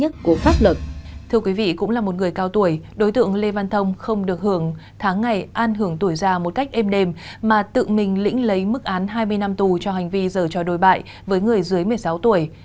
thưa quý vị cũng là một người cao tuổi đối tượng lê văn thông không được hưởng tháng ngày an hưởng tuổi già một cách êm đềm mà tự mình lĩnh lấy mức án hai mươi năm tù cho hành vi giờ cho đôi bại với người dưới một mươi sáu tuổi